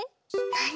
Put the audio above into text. なに？